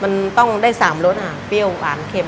มันต้องได้๓รสอ่ะเปรี้ยวหวานเข็ม